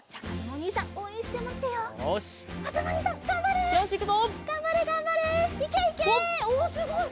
おおすごい！